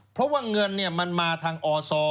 เพราะว่าเงินมันมาทางอศ